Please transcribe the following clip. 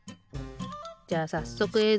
じゃあさっそくえい